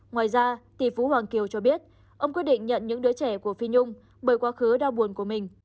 ngoài ra tỷ phú hoàng kiều cho biết ông quyết định nhận những đứa trẻ của phi nhung bởi quá khứ đau buồn của mình